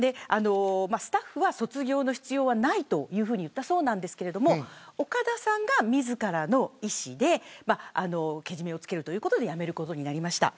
スタッフは卒業の必要はないと言ったそうなんですけど岡田さんが自らの意思でけじめをつけるということで辞めることになりました。